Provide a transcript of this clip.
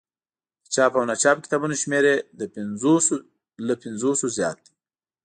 د چاپ او ناچاپ کتابونو شمېر یې له پنځوسو زیات دی.